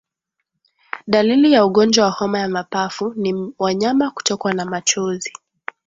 Dalili ya ugonjwa wa homa ya mapafu ni wanyama kutokwa machozi